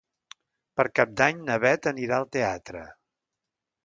Per Cap d'Any na Beth anirà al teatre.